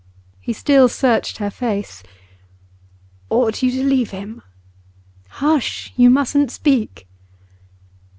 He still searched her face. 'Ought you to leave him?' 'Hush! You mustn't speak.